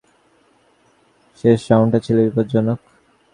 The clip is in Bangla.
শেষ রাউন্ডটা ছিল বিপজ্জনক!